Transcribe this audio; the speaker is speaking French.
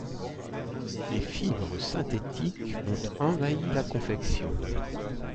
Les fibres synthétiques ont envahi la confection.